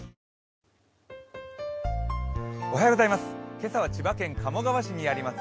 今朝は千葉県鴨川市にあります